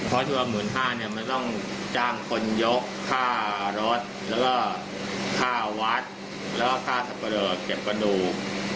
เพราะว่าหมื่นห้าเนี่ยมันต้องจ้างคนยกค่ารถแล้วก็ค่าวัดแล้วก็ค่าสัปดาห์เจ็บกระดูก